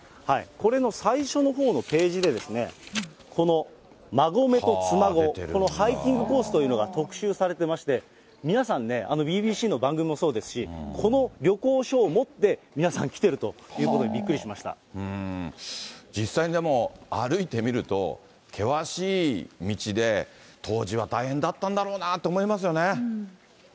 これの最初のほうのページでですね、この馬籠と妻籠、このハイキングコースというのが特集されていまして、皆さんね、ＢＢＣの番組もそうですし、この旅行書を持って、皆さん来ているということで、びっくりしま実際に、でも、歩いてみると、険しい道で、当時は大変だったんだろうなと思いますよね。